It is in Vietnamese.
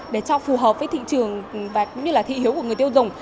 để cho phù hợp với thị trường và thị hiếu của người tiêu dùng